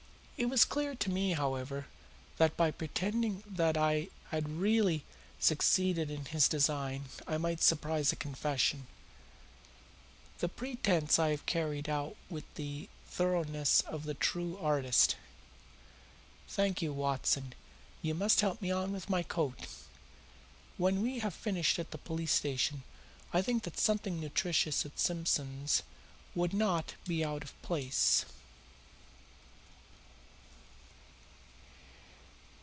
It was clear to me, however, that by pretending that he had really succeeded in his design I might surprise a confession. That pretence I have carried out with the thoroughness of the true artist. Thank you, Watson, you must help me on with my coat. When we have finished at the police station I think that something nutritious at Simpson's would not be out of place."